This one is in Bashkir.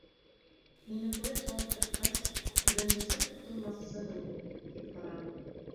— Мине поезға ултыртҡас, үҙең нисек ҡотолмаҡсыһың һуң? -тип һораны.